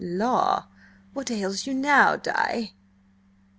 "La! What ails you now, Di?"